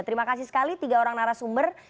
terima kasih sekali tiga orang narasumber